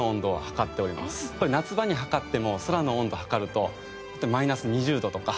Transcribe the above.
これ夏場に測っても空の温度測るとマイナス２０度とか。